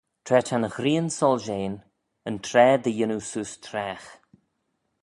Tra ta'n ghrian soishean, yn traa dy yannoo seose traagh.